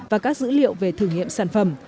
và các dữ liệu về thử nghiệm sản phẩm